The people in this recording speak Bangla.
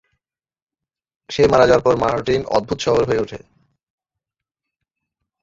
সে মারা যাওয়ার পর মার্টিন অদ্ভুত স্বভাবের হয়ে উঠে।